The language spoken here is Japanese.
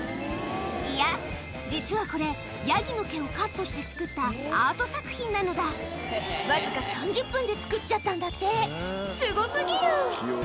いや実はこれヤギの毛をカットして作ったアート作品なのだわずか３０分で作っちゃったんだってすご過ぎる！